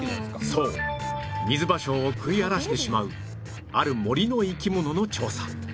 そうミズバショウを食い荒らしてしまうある森の生き物の調査